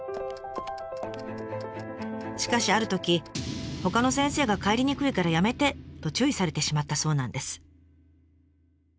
しかしあるときほかの先生が帰りにくいからやめて！と注意されてしまったそうなんです。